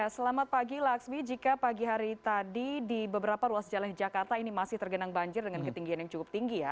selamat pagi laksmi jika pagi hari tadi di beberapa ruas jalan di jakarta ini masih tergenang banjir dengan ketinggian yang cukup tinggi ya